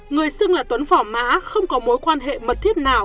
người xưng là tuấn phỏ má không có mối quan hệ mật thiết nào